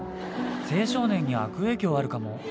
青少年に悪影響あるかも。